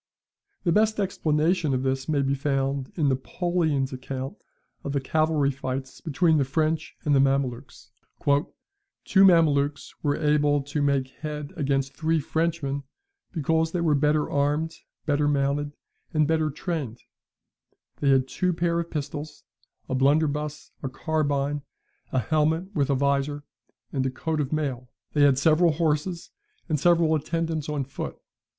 [The best explanation of this may be found in Napoleon's account of the cavalry fights between the French and the Mamelukes: "Two Mamelukes were able to make head against three Frenchmen, because they were better armed, better mounted, and better trained; they had two pair of pistols, a blunderbuss, a carbine, a helmet with a vizor, and a coat of mail; they had several horses, and several attendants on foot.